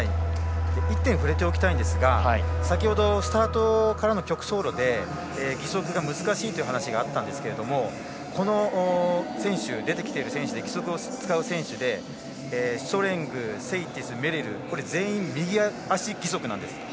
１点触れておきたいんですが先ほどスタートからの曲走路で義足は難しいと話があったんですが出てきている選手で義足を使う選手でシュトレングセイティス、メリル全員、右足義足なんです。